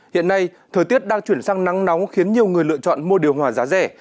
hiện nay thời tiết đang chuyển sang nắng nóng khiến nhiều người lựa chọn mua điều hòa giá rẻ